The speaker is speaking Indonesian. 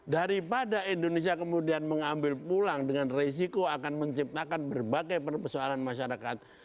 daripada indonesia kemudian mengambil pulang dengan resiko akan menciptakan berbagai persoalan masyarakat